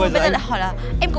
cậu đừng nói với cậu